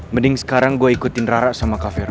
mending sekarang gue ikutin rara sama kak vero